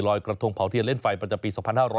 รอยกระทงเผาเทียนเล่นไฟปัจจังปี๒๕๖๐